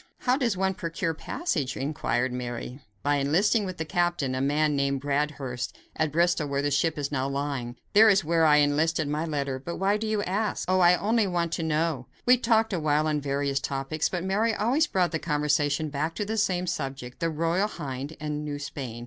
"How does one procure passage?" inquired Mary. "By enlisting with the captain, a man named Bradhurst, at Bristol, where the ship is now lying. There is where I enlisted by letter. But why do you ask?" "Oh! I only wanted to know." We talked awhile on various topics, but Mary always brought the conversation back to the same subject, the Royal Hind and New Spain.